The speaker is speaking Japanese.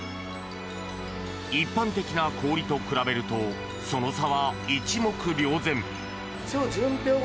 一般的な氷と比べるとその差は一目瞭然！